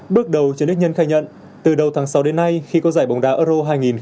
bước đầu trần đức nhân khai nhận từ đầu tháng sáu đến nay khi có giải bóng đá euro hai nghìn hai mươi